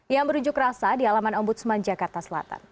yang berujuk rasa di halaman ombudsman jakarta selatan